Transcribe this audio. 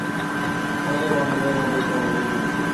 তোমার বান্দাদের মধ্যে সর্বাধিক ধনী কে?